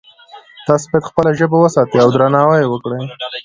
تاسو باید خپله ژبه وساتئ او درناوی یې وکړئ